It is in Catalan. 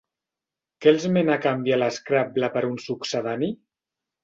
Què els mena a canviar l'Scrabble per un succedani?